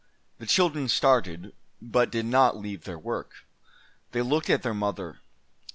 The children started, but did not leave their work. They looked at their mother.